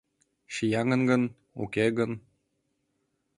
Шияҥын гын, уке гын?